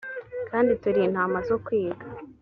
kandi turi intama zo kwiga